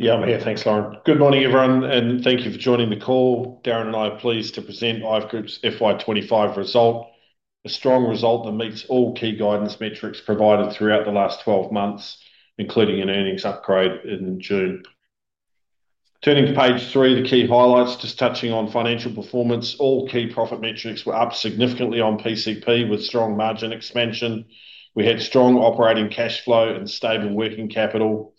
Yeah, I'm here. Thanks, Lauren. Good morning, everyone, and thank you for joining the call. Darren and I are pleased to present IVE Group's FY 2025 Result, a strong result that meets all key guidance metrics provided throughout the last 12 months, including an earnings upgrade in June. Turning to page three, the key highlights, just touching on financial performance. All key profit metrics were up significantly on pcp, with strong margin expansion. We had strong operating cash flow and stable working capital.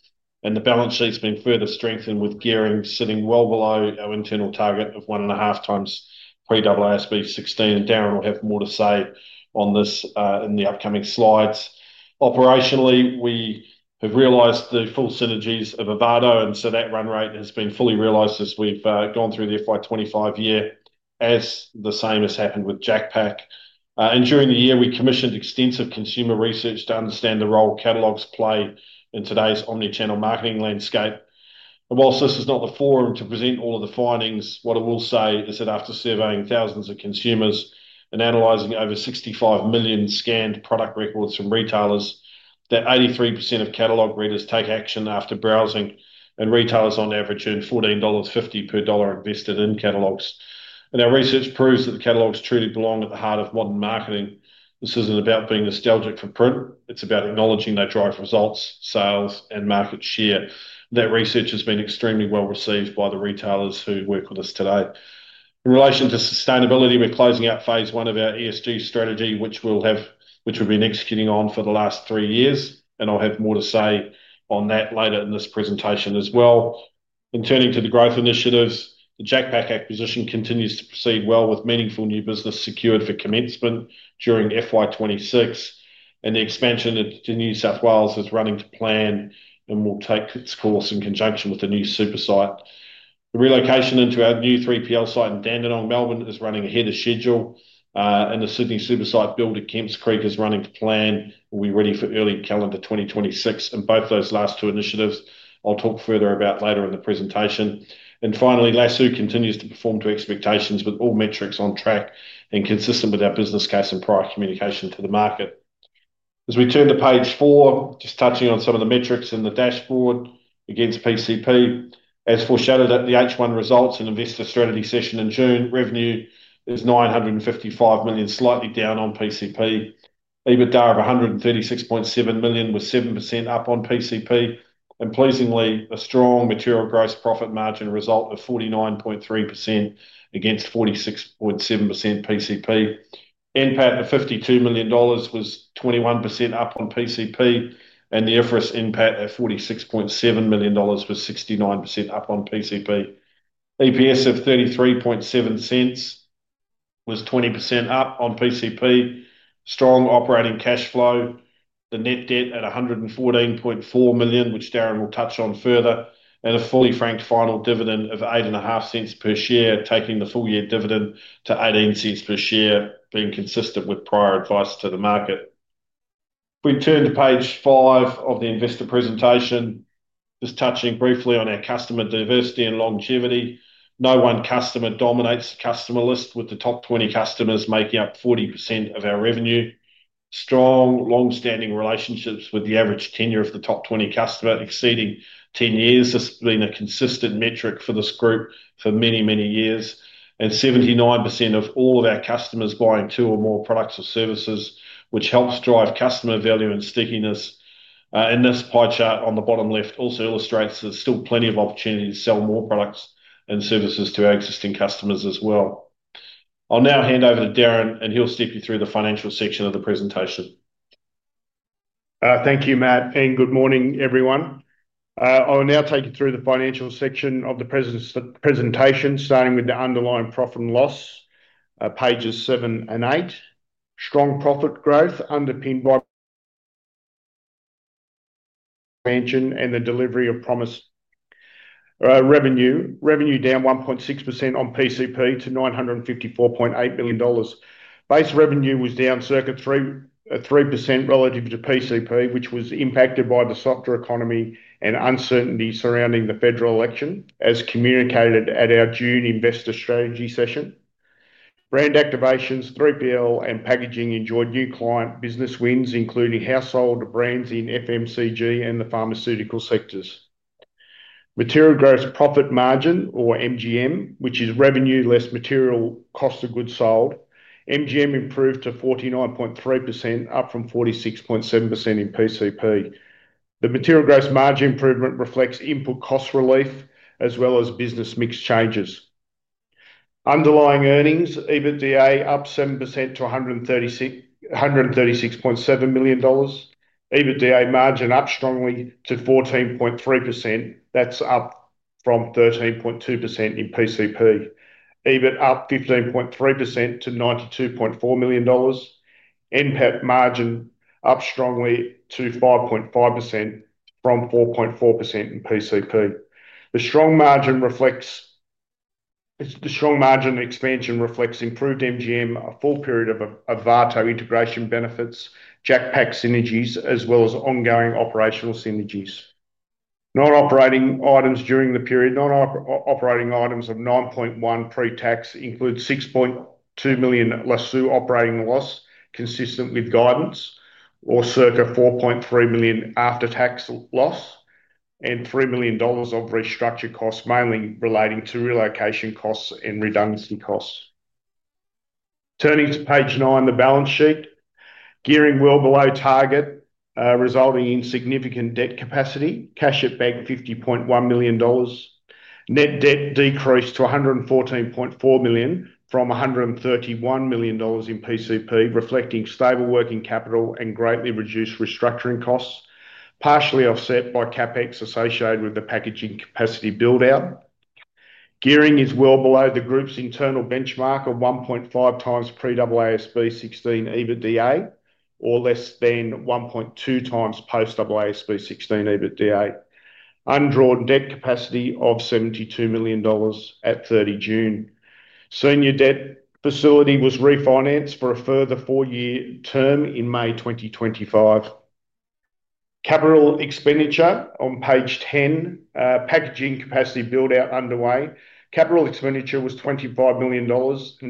The balance sheet's been further strengthened, with gearing sitting well below our internal target of 1.5x pre-AASB 16, and Darren will have more to say on this in the upcoming slides. Operationally, we have realized the full synergies of Ovato, and so that run rate has been fully realized as we've gone through the FY 2025 year, as the same has happened with JacPak. During the year, we commissioned extensive consumer research to understand the role catalogues play in today's omnichannel marketing landscape. Whilst this is not the forum to present all of the findings, what I will say is that after surveying thousands of consumers and analyzing over 65 million scanned product records from retailers, 83% of catalogue readers take action after browsing, and retailers on average earn $14.50 per dollar invested in catalogues. Our research proves that the catalogues truly belong at the heart of modern marketing. This isn't about being nostalgic for print; it's about acknowledging they drive results, sales, and market share. That research has been extremely well received by the retailers who work with us today. In relation to sustainability, we're closing out phase one of our ESG strategy, which we've been executing on for the last three years, and I'll have more to say on that later in this presentation as well. Turning to the growth initiatives, the JacPak acquisition continues to proceed well, with meaningful new business secured for commencement during FY 2026, and the expansion to New South Wales is running to plan and will take its course in conjunction with the new super site. The relocation into our new 3PL site in Dandenong, Melbourne, is running ahead of schedule, and the Sydney supersite built at Kemps Creek is running to plan and will be ready for early calendar 2026. Both those last two initiatives, I'll talk further about later in the presentation. Finally, Lasoo continues to perform to expectations, with all metrics on track and consistent with our business case and prior communication to the market. As we turn to page four, just touching on some of the metrics in the dashboard against pcp, as foreshadowed at the H1 results and investor strategy session in June, revenue is $955 million, slightly down on pcp, EBITDA of $136.7 million, with 7% up on pcp, and, pleasingly, a strong material gross profit margin result of 49.3% against 46.7% pcp. NPAT of $52 million was 21% up on pcp, and the IFRS NPAT of $46.7 million was 69% up on pcp. EPS of $0.337 was 20% up on pcp, strong operating cash flow, the net debt at $114.4 million, which Darren will touch on further, and a fully franked final dividend of $0.085 per share, taking the full year dividend to $0.18 per share, being consistent with prior advice to the market. We can turn to page five of the investor presentation, just touching briefly on our customer diversity and longevity. No one customer dominates the customer list, with the top 20 customers making up 40% of our revenue. Strong long-standing relationships with the average tenure of the top 20 customers exceeding 10 years. This has been a consistent metric for this group for many, many years, and 79% of all of our customers buying two or more products or services, which helps drive customer value and stickiness. This pie chart on the bottom left also illustrates there's still plenty of opportunity to sell more products and services to our existing customers as well. I'll now hand over to Darren, and he'll step you through the financial section of the presentation. Thank you, Matt, and good morning, everyone. I'll now take you through the financial section of the presentation, starting with the underlying profit and loss, pages seven and eight. Strong profit growth underpinned by expansion and the delivery of promise. Revenue down 1.6% on pcp to $954.8 million. Base revenue was down circa 3% relative to pcp, which was impacted by the softer economy and uncertainty surrounding the federal election, as communicated at our June investor strategy session. Brand activations, 3PL, and packaging enjoyed new client business wins, including household brands in FMCG and the pharmaceutical sectors. Material gross profit margin, or MGM, which is revenue less material cost of goods sold, MGM improved to 49.3%, up from 46.7% in pcp. The material gross margin improvement reflects input cost relief, as well as business mix changes. Underlying earnings, EBITDA up 7% to $136.7 million. EBITDA margin up strongly to 14.3%. That's up from 13.2% in pcp. EBIT up 15.3% to $92.4 million. NPAT margin up strongly to 5.5% from 4.4% in pcp. The strong margin expansion reflects improved MGM, a full period of Ovato integration benefits, JacPak synergies, as well as ongoing operational synergies. Non-operating items during the period, non-operating items of 9.1% pre-tax include $6.2 million Lasoo operating loss, consistent with guidance, or circa $4.3 million after-tax loss, and $3 million of restructure costs mainly relating to relocation costs and redundancy costs. Turning to page nine, the balance sheet, gearing well below target, resulting in significant debt capacity, cash at bank $50.1 million. Net debt decreased to $114.4 million from $131 million in pcp, reflecting stable working capital and greatly reduced restructuring costs, partially offset by CapEx associated with the packaging capacity build-out. Gearing is well below the group's internal benchmark of 1.5x pre-AASB 16 EBITDA or less than 1.2x post-AASB 16 EBITDA. Undrawn debt capacity of $72 million at 30 June. Senior debt facility was refinanced for a further four-year term in May 2025. Capital expenditure on page 10, packaging capacity build-out underway. Capital expenditure was $25 million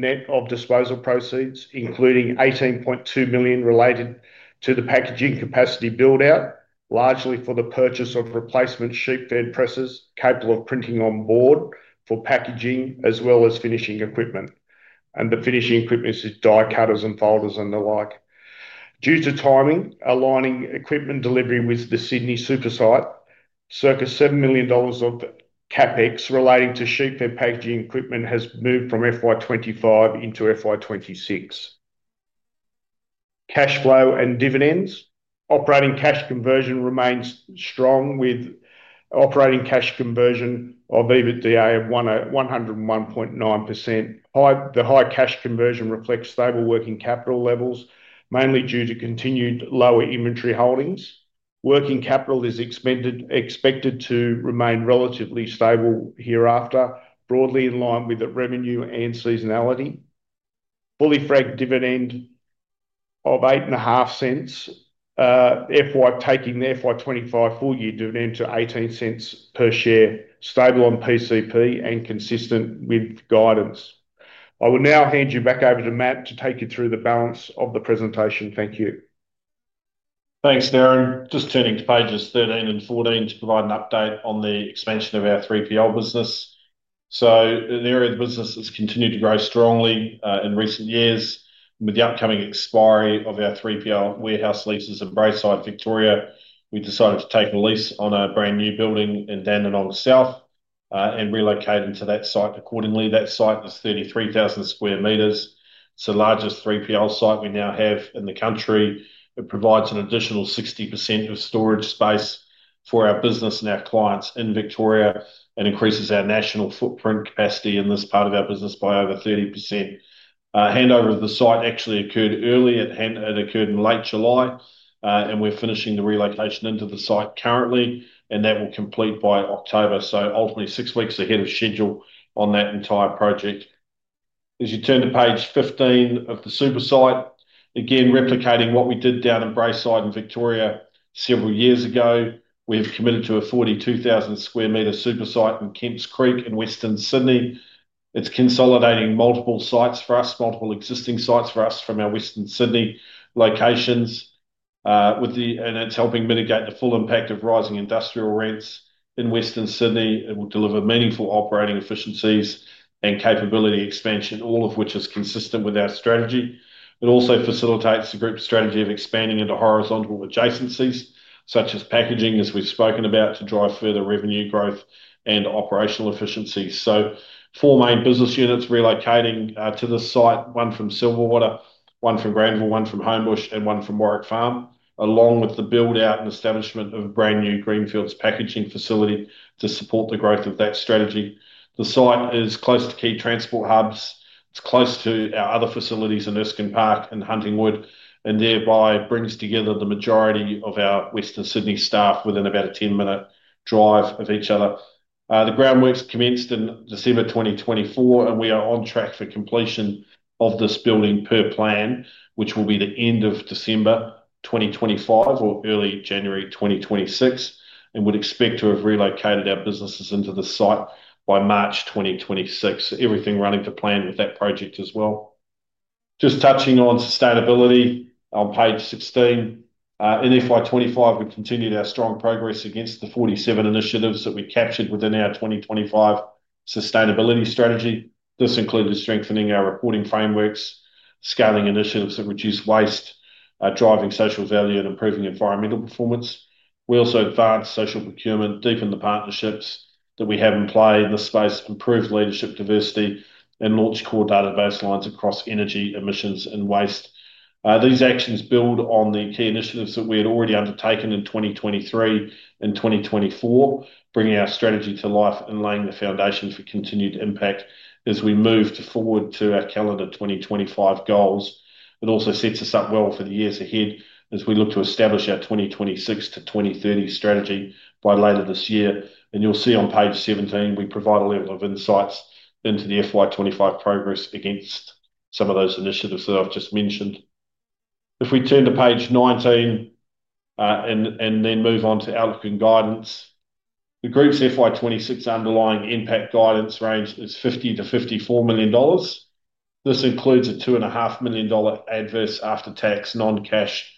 net of disposal proceeds, including $18.2 million related to the packaging capacity build-out, largely for the purchase of replacement sheet-fed presses capable of printing on board for packaging as well as finishing equipment. The finishing equipment is die cutters and folders and the like. Due to timing, aligning equipment delivery with the Sydney super site, circa $7 million of CapEx relating to sheet-fed packaging equipment has moved from FY 2025 into FY 2026. Cash flow and dividends, operating cash conversion remains strong with operating cash conversion of EBITDA at 101.9%. The high cash conversion reflects stable working capital levels, mainly due to continued lower inventory holdings. Working capital is expected to remain relatively stable hereafter, broadly in line with revenue and seasonality. Fully franked dividend of $0.085, taking the FY 2025 full-year dividend to $0.18 per share, stable on pcp and consistent with guidance. I will now hand you back over to Matt to take you through the balance of the presentation. Thank you. Thanks, Darren. Just turning to pages 13 and 14 to provide an update on the expansion of our 3PL business. An area of the business has continued to grow strongly in recent years. With the upcoming expiry of our 3PL warehouse leases at Braeside, Victoria, we decided to take a lease on a brand new building in Dandenong South and relocate into that site accordingly. That site is 33,000 square meters. It's the largest 3PL site we now have in the country. It provides an additional 60% of storage space for our business and our clients in Victoria and increases our national footprint capacity in this part of our business by over 30%. Handover of the site actually occurred early. It occurred in late July, and we're finishing the relocation into the site currently, and that will complete by October. Ultimately, six weeks ahead of schedule on that entire project. As you turn to page 15 of the super site, again replicating what we did down in Braeside and Victoria several years ago, we have committed to a 42,000 sq m supersite in Kemps Creek in Western Sydney. It's consolidating multiple sites for us, multiple existing sites for us from our Western Sydney locations, and it's helping mitigate the full impact of rising industrial rents in Western Sydney and will deliver meaningful operating efficiencies and capability expansion, all of which is consistent with our strategy. It also facilitates the group's strategy of expanding into horizontal adjacencies, such as packaging, as we've spoken about, to drive further revenue growth and operational efficiencies. Four main business units are relocating to the site, one from Silverwater, one from Granville, one from Homebush, and one from Warwick Farm, along with the build-out and establishment of a brand new Greenfields packaging facility to support the growth of that strategy. The site is close to key transport hubs. It's close to our other facilities in Eastern Creek and Huntingwood, and thereby brings together the majority of our Western Sydney staff within about a 10-minute drive of each other. The groundworks commenced in December 2024, and we are on track for completion of this building per plan, which will be the end of December 2025 or early January 2026, and would expect to have relocated our businesses into the site by March 2026, everything running to plan with that project as well. Just touching on sustainability on page 16, in FY 2025, we continued our strong progress against the 47 initiatives that we captured within our 2025 sustainability strategy. This included strengthening our reporting frameworks, scaling initiatives that reduce waste, driving social value, and improving environmental performance. We also advanced social procurement, deepened the partnerships that we have in play in this space, improved leadership diversity, and launched core database lines across energy emissions and waste. These actions build on the key initiatives that we had already undertaken in 2023 and 2024, bringing our strategy to life and laying the foundations for continued impact as we move forward to our calendar 2025 goals. It also sets us up well for the years ahead as we look to establish our 2026-2030 strategy by later this year. You'll see on page 17, we provide a little bit of insights into the FY 2025 progress against some of those initiatives that I've just mentioned. If we turn to page 19 and then move on to outlook and guidance, the group's FY 2026 underlying impact guidance range is $50 million-$54 million. This includes a $2.5 million adverse after-tax non-cash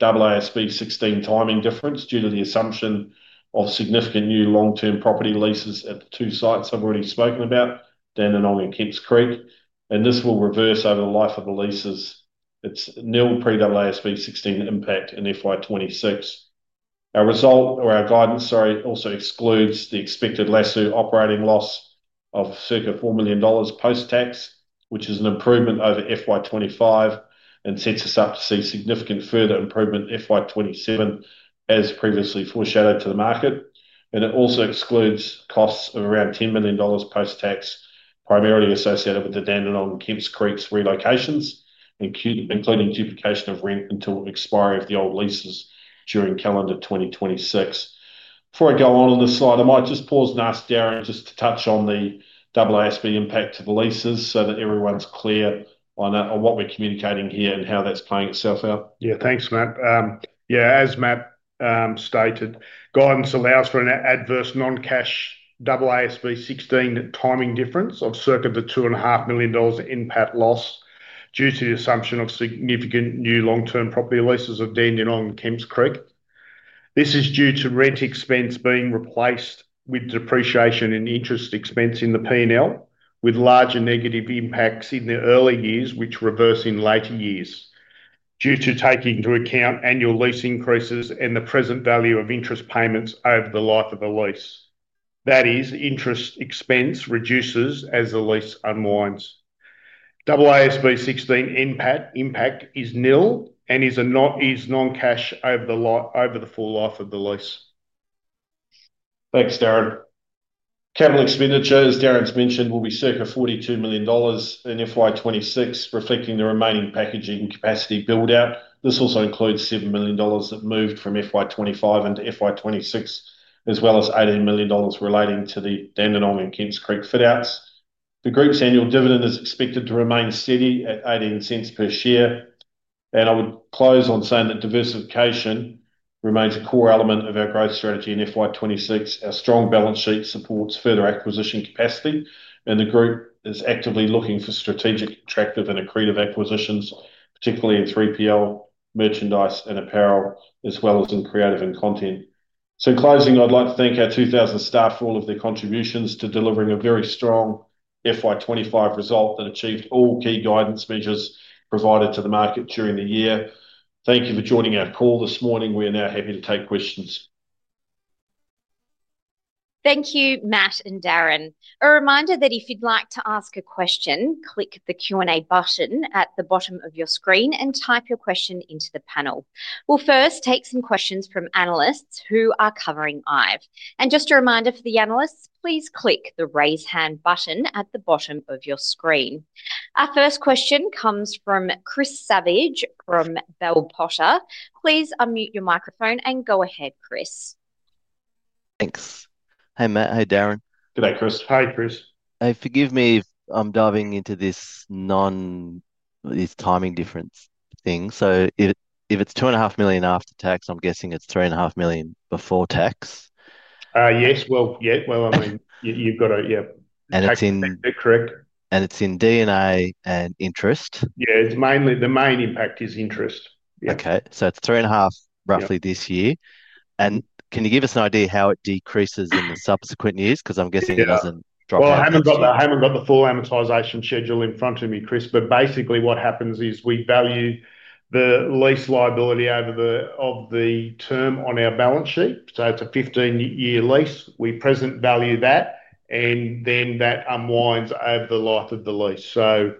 AASB 16 timing difference due to the assumption of significant new long-term property leases at the two sites I've already spoken about, Dandenong and Kemps Creek, and this will reverse over the life of the leases. It's nil pre-AASB 16 impact in FY 2026. Our result or our guidance, sorry, also excludes the expected Lasoo operating loss of circa $4 million post-tax, which is an improvement over FY 2025 and sets us up to see significant further improvement FY 2027, as previously foreshadowed to the market. It also excludes costs of around $10 million post-tax, primarily associated with the Dandenong and Kemps Creek relocations, including duplication of rent until expiry of the old leases during calendar 2026. Before I go on to the slide, I might just pause and ask Darren just to touch on the AASB impact to the leases so that everyone's clear on what we're communicating here and how that's playing itself out. Yeah, thanks, Matt. As Matt stated, guidance allows for an adverse non-cash AASB 16 timing difference of circa $2.5 million impact loss due to the assumption of significant new long-term property leases of Dandenong and Kemps Creek. This is due to rent expense being replaced with depreciation and interest expense in the P&L, with larger negative impacts in the early years, which reverse in later years due to taking into account annual lease increases and the present value of interest payments over the life of a lease. That is, interest expense reduces as the lease unwinds. AASB 16 impact is nil and is a non-cash over the full life of the lease. Thanks, Darren. Capital expenditures, as Darren's mentioned, will be circa $42 million in FY 2026, reflecting the remaining packaging capacity build-out. This also includes $7 million that moved from FY 2025 into FY 2026, as well as $18 million relating to the Dandenong and Kemps Creek fit-outs. The group's annual dividend is expected to remain steady at $0.18 per share. Diversification remains a core element of our growth strategy in FY 2026. Our strong balance sheet supports further acquisition capacity, and the group is actively looking for strategic, attractive, and accretive acquisitions, particularly in 3PL, merchandise, and apparel, as well as in creative and content. In closing, I'd like to thank our 2,000 staff for all of their contributions to delivering a very strong FY 2025 result that achieved all key guidance measures provided to the market during the year. Thank you for joining our call this morning. We are now happy to take questions. Thank you, Matt and Darren. A reminder that if you'd like to ask a question, click the Q&A button at the bottom of your screen and type your question into the panel. We'll first take some questions from analysts who are covering IVE. Just a reminder for the analysts, please click the raise hand button at the bottom of your screen. Our first question comes from Chris Savage from Bell Potter. Please unmute your microphone and go ahead, Chris. Thanks. Hey Matt, hey Darren. Go back, Chris. Hi, Chris. Forgive me if I'm diving into this non-timing difference thing. If it's $2.5 million after tax, I'm guessing it's $3.5 million before tax. Yes, I mean, you've got to. It's in D&A and interest. Yeah, it's mainly the main impact is interest. Okay, so it's $3.5 million roughly this year. Can you give us an idea how it decreases in the subsequent years? I'm guessing it doesn't drop. I haven't got the full amortization schedule in front of me, Chris, but basically what happens is we value the lease liability over the term on our balance sheet. It's a 15-year lease. We present value that, and then that unwinds over the life of the lease. In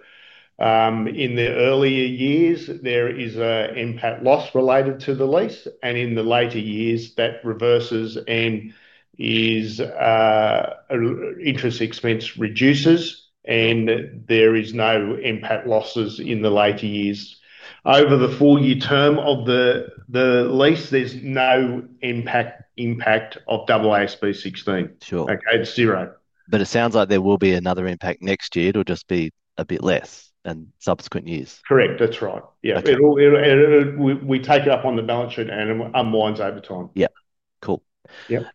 the earlier years, there is an impact loss related to the lease, and in the later years, that reverses and interest expense reduces, and there are no impact losses in the later years. Over the four-year term of the lease, there's no impact of AASB 16. Sure. Okay, zero. There will be another impact next year. It'll just be a bit less in subsequent years. Correct, that's right. Yeah, we take it up on the balance sheet, and it unwinds over time. Yeah, cool. Yep.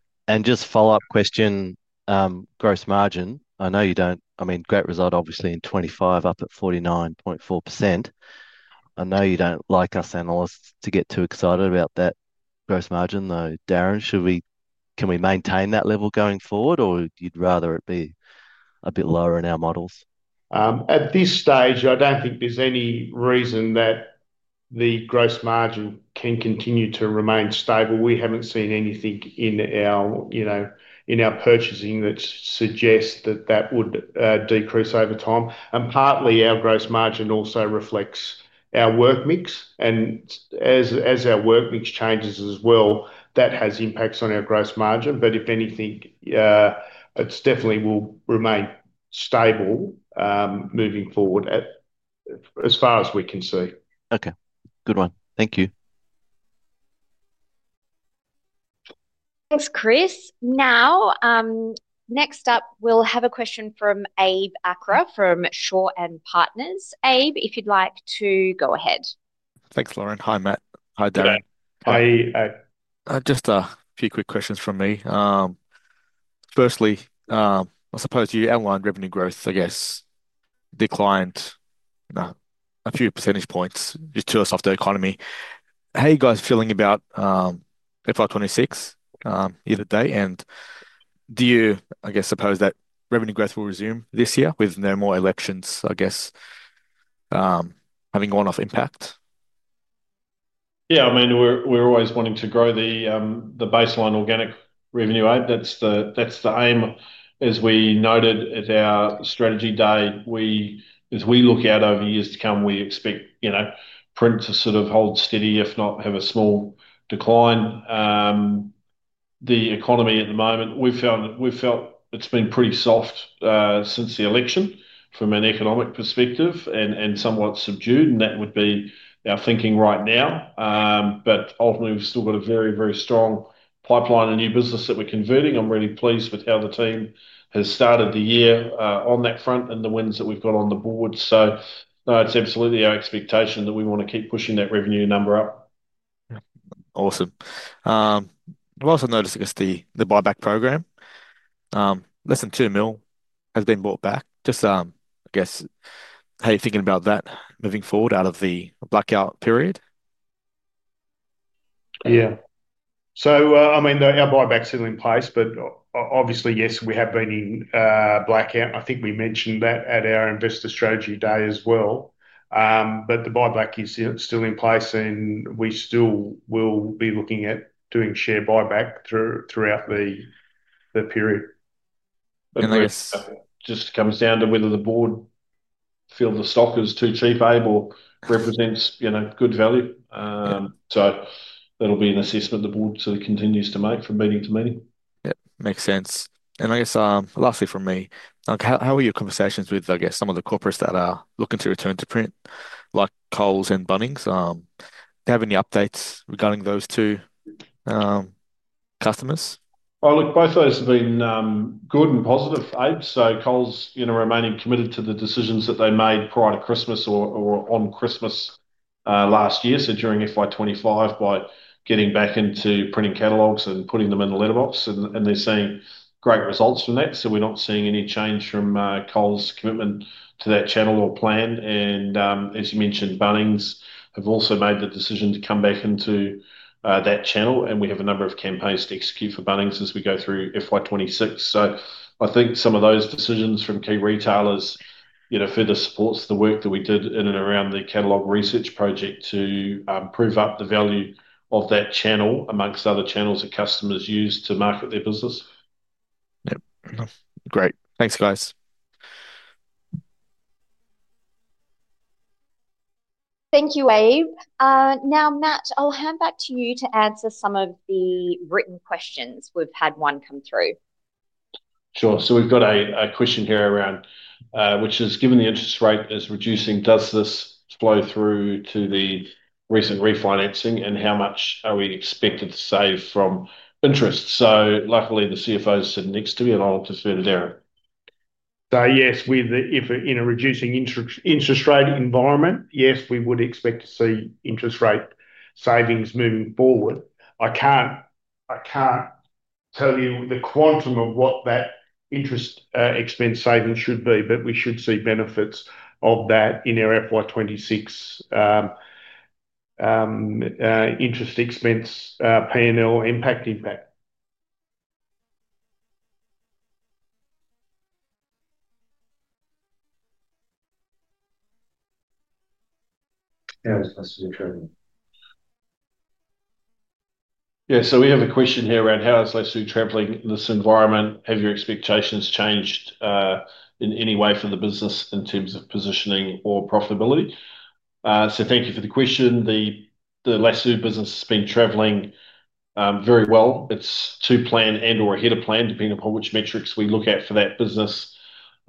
Just a follow-up question, gross margin. I know you don't, I mean, great result obviously in 2025 up at 49.4%. I know you don't like us analysts to get too excited about that gross margin, though, Darren, should we, can we maintain that level going forward or you'd rather it be a bit lower in our models? At this stage, I don't think there's any reason that the gross margin can continue to remain stable. We haven't seen anything in our purchasing that suggests that that would decrease over time. Partly, our gross margin also reflects our work mix, and as our work mix changes as well, that has impacts on our gross margin. If anything, it definitely will remain stable, moving forward as far as we can see. Okay, good one. Thank you. Thanks, Chris. Next up, we'll have a question from Abe Akra from Shaw and Partners. Abe, if you'd like to go ahead. Thanks, Lauren. Hi, Matt. Hi, Darren. Just a few quick questions from me. Firstly, I suppose you outlined revenue growth, I guess, declined a few percentage points due to a softer economy. How are you guys feeling about FY 2026, either day? Do you, I guess, suppose that revenue growth will resume this year with no more elections, I guess, having gone off impact? Yeah, I mean, we're always wanting to grow the baseline organic revenue, right? That's the aim. As we noted at our strategy day, as we look out over years to come, we expect, you know, print to sort of hold steady, if not have a small decline. The economy at the moment, we've found, we've felt it's been pretty soft since the election from an economic perspective and somewhat subdued, and that would be our thinking right now. Ultimately, we've still got a very, very strong pipeline of new business that we're converting. I'm really pleased with how the team has started the year on that front and the wins that we've got on the board. It's absolutely our expectation that we want to keep pushing that revenue number up. Yeah. Awesome. I've also noticed, I guess, the buyback program, less than $2 million has been bought back. Just, I guess, how are you thinking about that moving forward out of the blackout period? Yeah, so, I mean, our buyback's still in place, but obviously, yes, we have been in blackout. I think we mentioned that at our investor strategy day as well. The buyback is still in place, and we still will be looking at doing share buyback throughout the period. I guess it just comes down to whether the board feels the stock is too cheap, or represents, you know, good value. That'll be an assessment the board sort of continues to make from meeting to meeting. Yeah, makes sense. Lastly from me, how are your conversations with some of the corporates that are looking to return to print, like Coles and Bunnings? Do you have any updates regarding those two customers? Oh, look, both those have been good and positive, Abe. Coles, you know, remaining committed to the decisions that they made prior to Christmas or on Christmas last year, so during FY 2025, by getting back into printing catalogues and putting them in the letterbox, and they're seeing great results from that. We're not seeing any change from Coles' commitment to that channel or plan. As you mentioned, Bunnings have also made the decision to come back into that channel, and we have a number of campaigns to execute for Bunnings as we go through FY 2026. I think some of those decisions from key retailers further support the work that we did in and around the catalogue research project to prove up the value of that channel amongst other channels that customers use to market their business. Yeah, great. Thanks, guys. Thank you, Abe. Now, Matt, I'll hand back to you to answer some of the written questions. We've had one come through. Sure. We've got a question here around, which is, given the interest rate is reducing, does this flow through to the recent refinancing and how much are we expected to save from interest? Luckily, the CFO's sitting next to me, and I'll refer to Darren. Yes, if in a reducing interest rate environment, we would expect to see interest rate savings moving forward. I can't tell you the quantum of what that interest expense savings should be, but we should see benefits of that in our FY 2026 interest expense P&L impact. How is Lasoo travelling? Yeah, so we have a question here around how is Lasoo travelling in this environment? Have your expectations changed in any way for the business in terms of positioning or profitability? Thank you for the question. The Lasoo business has been travelling very well. It's to plan and/or ahead of plan, depending upon which metrics we look at for that business.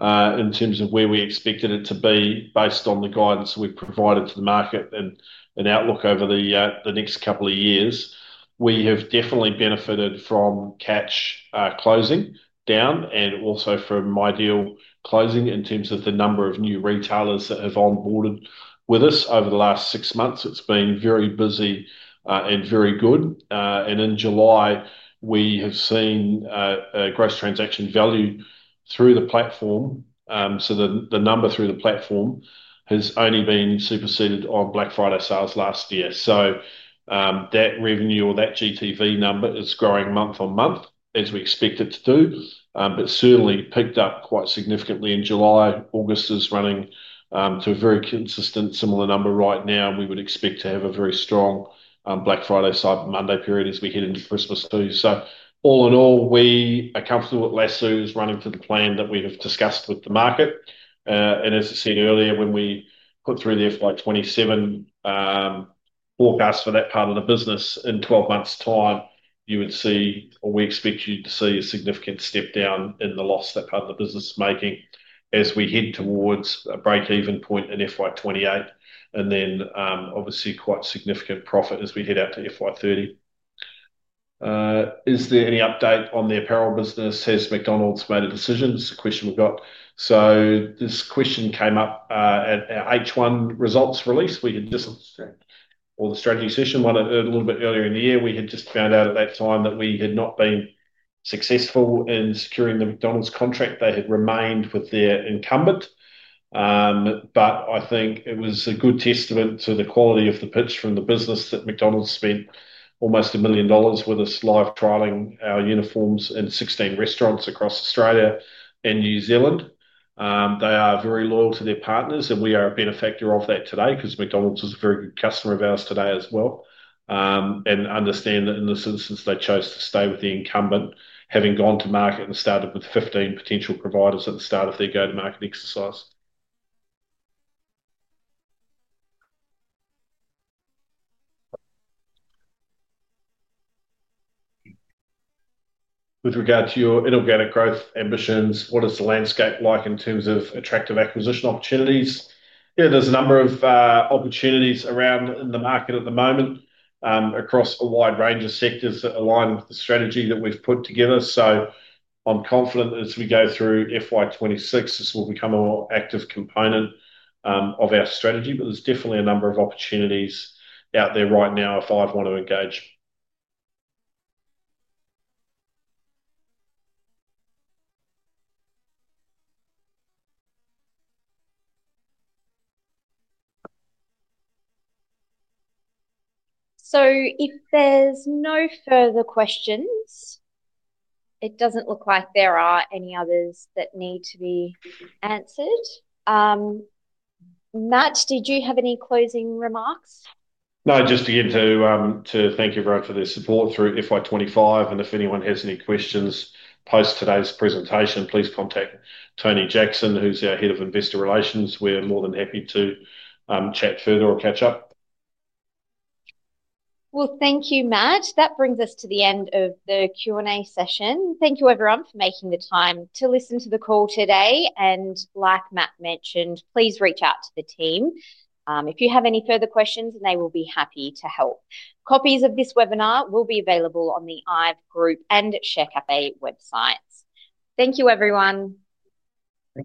In terms of where we expected it to be, based on the guidance we've provided to the market and an outlook over the next couple of years, we have definitely benefited from Catch closing down and also from Ideal closing in terms of the number of new retailers that have onboarded with us over the last six months. It's been very busy and very good. In July, we have seen gross transaction value through the platform. The number through the platform has only been superseded on Black Friday sales last year. That revenue or that GTV number is growing month on month as we expect it to do, but certainly picked up quite significantly in July. August is running to a very consistent similar number right now, and we would expect to have a very strong Black Friday, Cyber Monday period as we head into Christmas too. All in all, we are comfortable with Lasoo's running to the plan that we have discussed with the market. As I said earlier, when we put through the FY 2027 forecast for that part of the business in 12 months' time, you would see, or we expect you to see, a significant step down in the loss that part of the business is making as we head towards a break-even point in FY 2028. Obviously, quite significant profit as we head out to FY 2030. Is there any update on the apparel business? Has McDonald's made a decision? This is a question we've got. This question came up at our H1 results release. We had just, or the strategy session, one a little bit earlier in the year. We had just found out at that time that we had not been successful in securing the McDonald's contract. They had remained with their incumbent. I think it was a good testament to the quality of the pitch from the business that McDonald's spent almost $1 million with us live trialing our uniforms in 16 restaurants across Australia and New Zealand. They are very loyal to their partners, and we are a benefactor of that today because McDonald's is a very good customer of ours today as well. In this instance, they chose to stay with the incumbent, having gone to market and started with 15 potential providers at the start of their go-to-market exercise. With regard to your inorganic growth ambitions, what is the landscape like in terms of attractive acquisition opportunities? Yeah, there's a number of opportunities around in the market at the moment, across a wide range of sectors that align with the strategy that we've put together. I'm confident as we go through FY 2026, this will become a more active component of our strategy, but there's definitely a number of opportunities out there right now if I'd want to engage. If there's no further questions, it doesn't look like there are any others that need to be answered. Matt, did you have any closing remarks? No, just again to thank everyone for their support through FY 2025. If anyone has any questions post today's presentation, please contact Tony Jackson, who's our Head of Investor Relations. We're more than happy to chat further or catch up. Thank you, Matt. That brings us to the end of the Q&A session. Thank you, everyone, for making the time to listen to the call today. Like Matt mentioned, please reach out to the team if you have any further questions, and they will be happy to help. Copies of this webinar will be available on the IVE Group and Sharecafe websites. Thank you, everyone. Thank you.